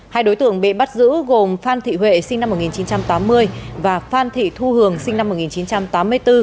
hai đối tượng bị bắt giữ gồm phan thị huệ sinh năm một nghìn chín trăm tám mươi và phan thị thu hường sinh năm một nghìn chín trăm tám mươi bốn